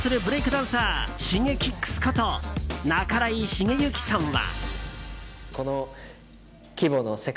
ダンサーＳｈｉｇｅｋｉｘこと半井重幸さんは。